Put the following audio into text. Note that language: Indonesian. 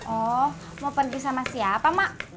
oh mau pergi sama siapa mak